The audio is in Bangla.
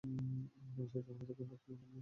আমাকে বিশাল ঝামেলা থেকে উদ্ধার করলেন আপনি।